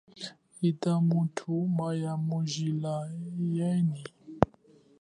Ita muthu maya mujila yenyi.